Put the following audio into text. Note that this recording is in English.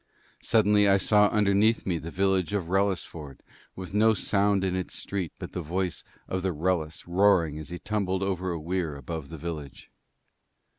Suddenly I saw underneath me the village of Wrellisford, with no sound in its street but the voice of the Wrellis roaring as he tumbled over a weir above the village.